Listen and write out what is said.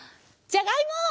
じゃがいも！